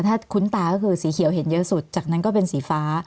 ถ้าคุ้นตาก็คือสีเขียวเห็นเยอะสุดจากนั้นก็เป็นสีฟ้า